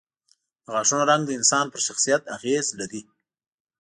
د غاښونو رنګ د انسان پر شخصیت اغېز لري.